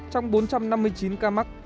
trong bốn trăm năm mươi chín ca mắc